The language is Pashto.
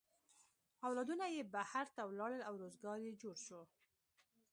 اولادونه یې بهر ته ولاړل او روزگار یې جوړ شو.